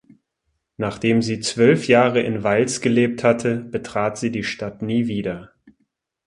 Nachdem sie zwölf Jahre in Valls gelebt hatte, betrat sie die Stadt nie wieder.